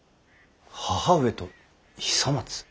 母上と久松？